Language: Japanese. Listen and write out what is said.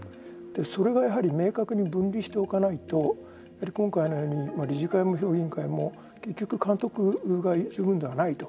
それがやはり明確に分離しておかないと今回のように理事会も評議員会も結局監督が十分ではないと。